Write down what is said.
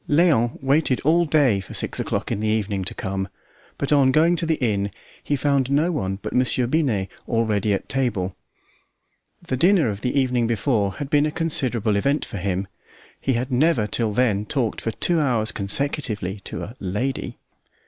Léon waited all day for six o'clock in the evening to come, but on going to the inn, he found no one but Monsieur Binet, already at table. The dinner of the evening before had been a considerable event for him; he had never till then talked for two hours consecutively to a "lady."